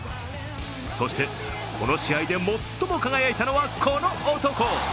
そしてこの試合で最も輝いたのはこの男。